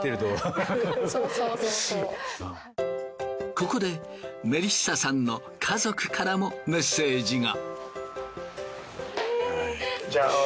ここでメリッサさんの家族からもメッセージが。